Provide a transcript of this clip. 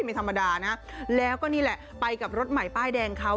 ไม่ธรรมดานะแล้วก็นี่แหละไปกับรถใหม่ป้ายแดงเขา